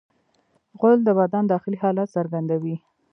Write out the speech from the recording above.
غول د بدن داخلي حالت څرګندوي.